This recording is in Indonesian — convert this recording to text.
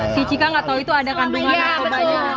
si cika nggak tahu itu ada kandungan narkobanya